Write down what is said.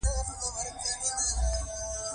فېسبوک د ژوند د هرې برخې عکس دی